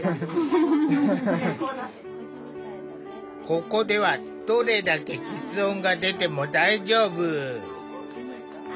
ここではどれだけきつ音が出ても大丈夫。